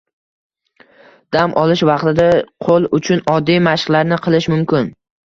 Dam olish vaqtida qo‘l uchun oddiy mashqlarni qilish mumkin